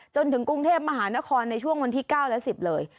จนถึงกรุงเทพมหานครในช่วงวันที่๙และ๑๐เลย